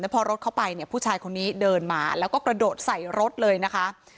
พอรถเข้าไปเนี่ยผู้ชายคนนี้เดินมาแล้วก็กระโดดใส่รถเลยนะคะ